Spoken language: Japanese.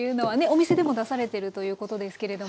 お店でも出されてるということですけれども。